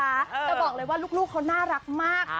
แต่บอกเลยว่าลูกเขาน่ารักมาก